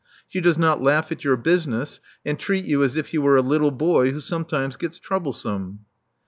She does not laugh at your business, and treat you as if you were a little boy who sometimes gets troublesome."